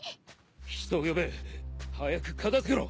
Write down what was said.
人を呼べ！早く片付けろ！